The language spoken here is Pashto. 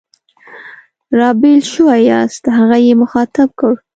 را بېل شوي یاست؟ هغه یې مخاطب کړ.